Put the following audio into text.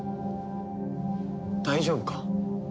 大丈夫か？